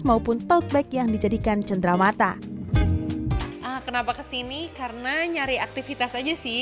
maupun talkback yang dijadikan cendramata kenapa kesini karena nyari aktivitas aja sih